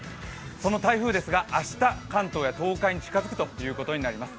その台風ですが明日、関東や東海に近づくということになります。